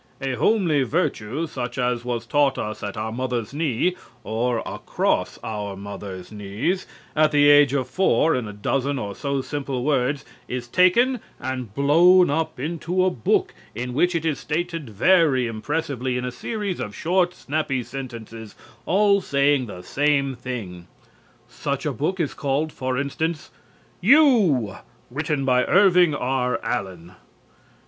A homely virtue such as was taught us at our mother's knee (or across our mother's knees) at the age of four, in a dozen or so simple words, is taken and blown up into a book in which it is stated very impressively in a series of short, snappy sentences, all saying the same thing. Such a book is called, for instance "You," written by Irving R. Allen.